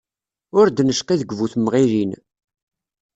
Ur d-necqi deg bu-temɣilin.